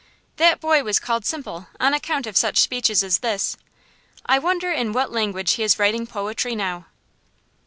'" That boy was called simple, on account of such speeches as this. I wonder in what language he is writing poetry now.